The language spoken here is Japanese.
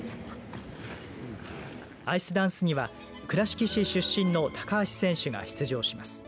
アイスダンスには倉敷市出身の高橋選手が出場します。